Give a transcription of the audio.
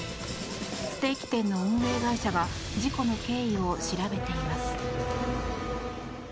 ステーキ店の運営会社が事故の経緯を調べています。